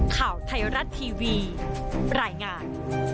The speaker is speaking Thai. ข่าวไทยรัฐทีวีรายงาน